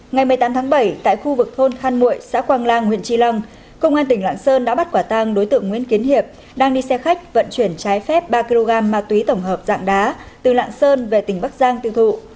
ngày một mươi tám tháng bảy tại khu vực thôn khan mụi xã quang lang huyện tri lăng công an tỉnh lạng sơn đã bắt quả tang đối tượng nguyễn tiến hiệp đang đi xe khách vận chuyển trái phép ba kg ma túy tổng hợp dạng đá từ lạng sơn về tỉnh bắc giang tiêu thụ